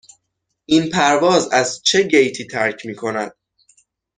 این پرواز از چه گیتی ترک می کند؟